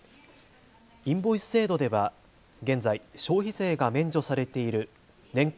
インボイス制度では現在、消費税が免除されている年間